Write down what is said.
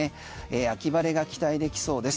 秋晴れが期待できそうです。